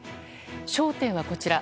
焦点はこちら。